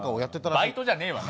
バイトじゃねえわ。